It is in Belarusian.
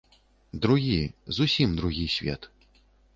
Другі, зусім другі свет.